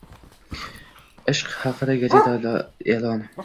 Ish haqida gazetada e'lon